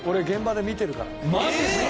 マジっすか？